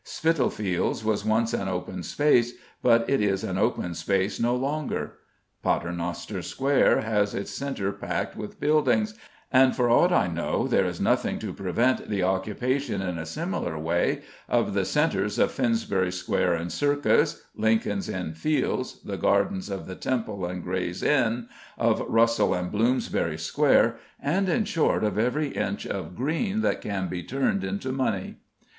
Spitalfields was once an open space, but it is an open space no longer. Paternoster Square has its centre packed with buildings, and for aught I know there is nothing to prevent the occupation in a similar way of the centres of Finsbury Square and Circus, Lincoln's Inn Fields, the Gardens of the Temple and Gray's Inn, of Russell and Bloomsbury Square, and, in short, of every inch of green that can be turned into money.